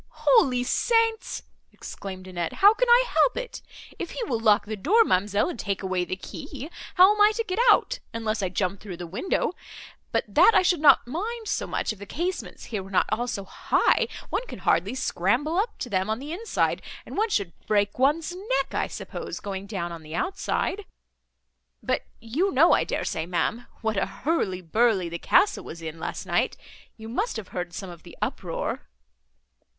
"Holy Saints!" exclaimed Annette, "how can I help it! If he will lock the door, ma'amselle, and take away the key, how am I to get out, unless I jump through the window? But that I should not mind so much, if the casements here were not all so high; one can hardly scramble up to them on the inside, and one should break one's neck, I suppose, going down on the outside. But you know, I dare say, ma'am, what a hurly burly the castle was in last night; you must have heard some of the uproar."